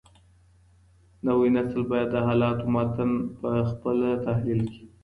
نوی نسل بايد د حالاتو متن په خپله تحليل کړي.